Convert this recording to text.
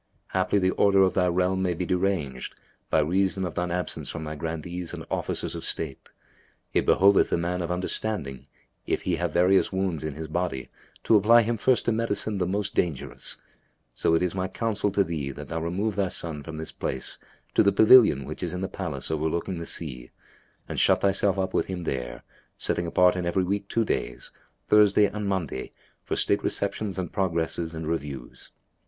Haply, the order of thy realm may be deranged, by reason of shine absence from thy Grandees and Officers of State. It behoveth the man of understanding, if he have various wounds in his body, to apply him first to medicine the most dangerous; so it is my counsel to thee that thou remove thy son from this place to the pavilion which is in the palace overlooking the sea; and shut thyself up with him there, setting apart in every week two days, Thursday and Monday, for state receptions and progresses and reviews.